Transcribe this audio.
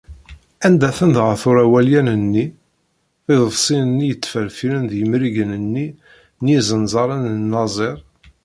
Anda-ten dɣa tura walyanen-nni, tiḍebsiyin-nni yettferfiren d yemrigen-nni n yizenẓaren n lazer?